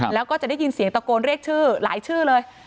แล้วก็จะได้ยินเสียงตะโกนเรียกชื่อหลายชื่อเลย